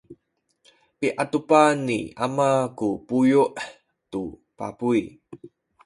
piadupan ni ama ku buyu’ tu pabuy.